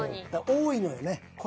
多いのよ。